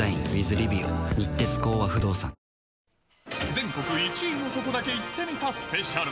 全国１位のとこだけ行ってみたスペシャル。